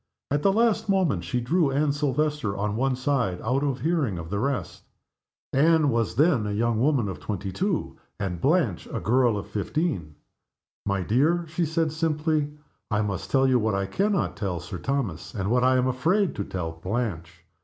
At the last moment she drew Anne Silvester on one side, out of hearing of the rest. Anne was then a young woman of twenty two, and Blanche a girl of fifteen. "My dear," she said, simply, "I must tell you what I can not tell Sir Thomas, and what I am afraid to tell Blanche.